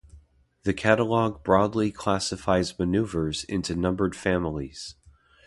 The catalog broadly classifies manoeuvers into numbered families.